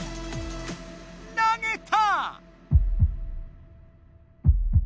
投げた！